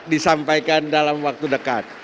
disampaikan dalam waktu dekat